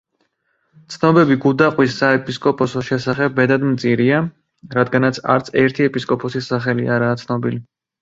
ცნობები გუდაყვის საეპისკოპოსოს შესახებ მეტად მწირია, რადგანაც არც ერთი ეპისკოპოსის სახელი არაა ცნობილი.